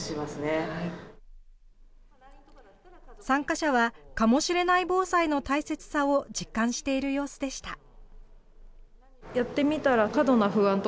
参加者は、かもしれない防災の大切さを実感している様子でした。